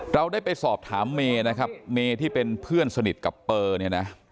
เราได้ไปสอบถามเมที่เป็นเพื่อนสนิทกับเปอเนี่ยนะ